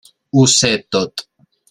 Ho sé tot.